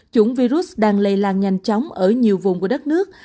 chủng virus đang lây lan nhanh chóng ở nhiều vùng của đất nước